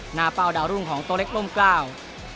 หน้าเปล่าดาวรุ่งของตัวเล็กล้มก้าว